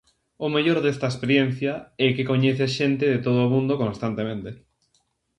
O mellor desta experiencia e que coñeces xente de todo o mundo constantemente.